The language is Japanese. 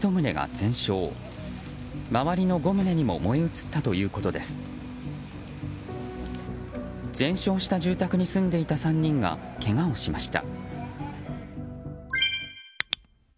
全焼した住宅に住んでいた３人がけがをしました。